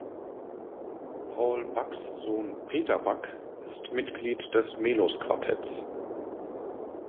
Paul Bucks Sohn Peter Buck ist Mitglied des Melos-Quartetts.